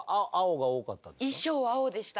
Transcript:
衣装は青でした